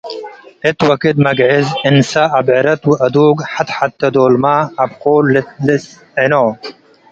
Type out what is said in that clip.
እት ወክድ መግዕዝ፡ እንሰ፡ አብዕረት ወአዱግ ሐት-ሐቴ ዶልመ አብቁል ልጽዕኖ ።